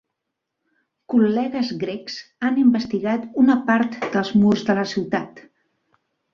Col·legues grecs han investigat una part dels murs de la ciutat.